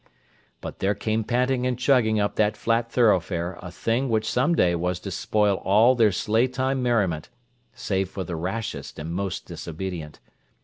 But there came panting and chugging up that flat thoroughfare a thing which some day was to spoil all their sleigh time merriment—save for the rashest and most disobedient.